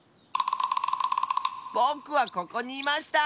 ぼくはここにいました！